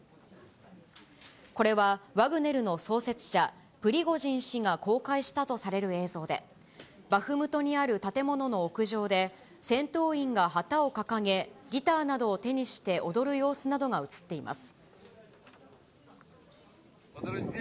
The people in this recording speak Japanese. これはワグネルの創設者、プリゴジン氏が公開したとされる映像で、バフムトにある建物の屋上で、戦闘員が旗を掲げ、ギターなどを手にして踊る様子などが映っています。